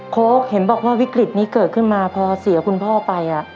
โค้กเห็นบอกว่าวิกฤตนี้เกิดขึ้นมาพอเสียคุณพ่อไป